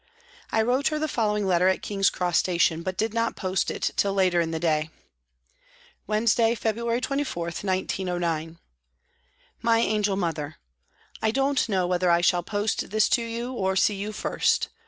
I wrote her the following letter at King's Cross Station, but did not post it till later in the day :" Wednesday, February 24, 1909. " MY ANGEL MOTHER, I don't know whether I shall post this to you or see you first.